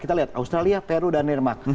kita lihat australia peru dan denmark